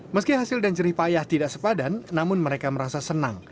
meski hasil dan jerih payah tidak sepadan namun mereka merasa senang